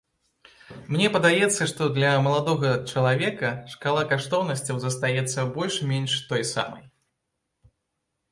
Мне падаецца, што для маладога чалавека шкала каштоўнасцяў застаецца больш-менш той самай.